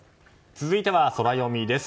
続いてはソラよみです。